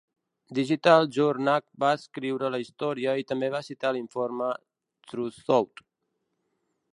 Digital Journak va escriure la història i també va citar l'informe "Truthout".